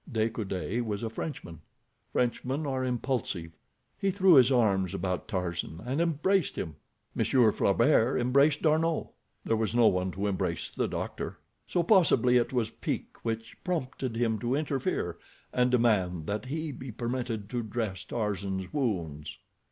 De Coude was a Frenchman. Frenchmen are impulsive. He threw his arms about Tarzan and embraced him. Monsieur Flaubert embraced D'Arnot. There was no one to embrace the doctor. So possibly it was pique which prompted him to interfere, and demand that he be permitted to dress Tarzan's wounds.